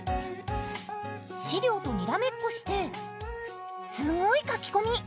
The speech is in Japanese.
資料とにらめっこしてすごい書き込み！